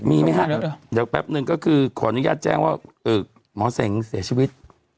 มีไหมฮะเดี๋ยวแป๊บนึงก็คือขออนุญาตแจ้งว่าหมอเสงเสียชีวิต